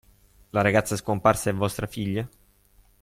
La ragazza scomparsa è vostra figlia?